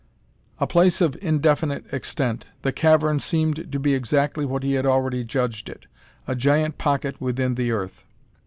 A place of indefinite extent, the cavern seemed to be exactly what he had already judged it a giant pocket within the earth.